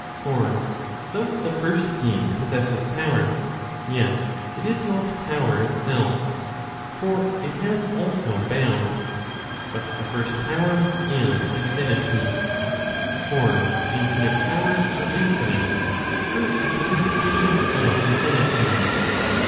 For though the first being possesses power, yet it is not power itself. For it has also bound. But the first power is infinity. For infinite powers are infinite, through the participation of infinity.